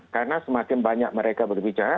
karena semakin banyak mereka berbicara